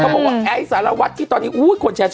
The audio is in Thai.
เขาบอกแอ้สารวัฒน์ที่ตอนนี้อู้ยคนแชร์เนอะ